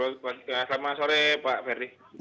selamat sore pak fery